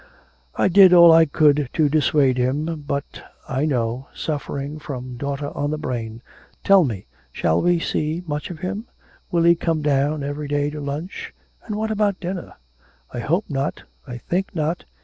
'I did all I could to dissuade him, but ' 'I know, suffering from daughter on the brain.... Tell me, shall we see much of him? Will he come down every day to lunch, and what about dinner?' 'I hope not, I think not...